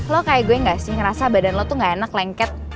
lo kayak gue gak sih ngerasa badan lo tuh gak enak lengket